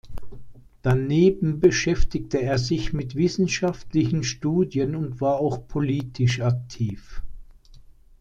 Daneben beschäftigte er sich mit wissenschaftlichen Studien und war auch politisch aktiv.